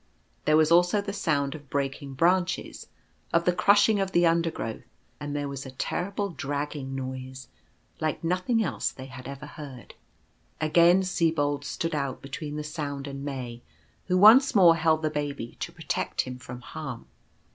There was also the sound of breaking branches, of the crushing of the undergrowth ; and there was a ter rible dragging noise like nothing else they had ever heard. Again Sibold stood out between the sound and May, who once more held the Baby to protect him from harm.